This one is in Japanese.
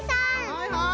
はいはい！